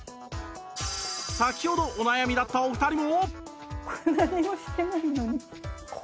先ほどお悩みだったお二人も